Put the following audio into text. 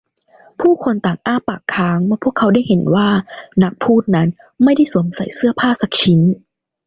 ผู้คนต่างอ้าปากค้างเมื่อพวกเขาได้เห็นว่านักพูดนั้นไม่ได้สวมใส่เสื้อผ้าสักชิ้น